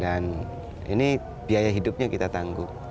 dan ini biaya hidupnya kita tangguh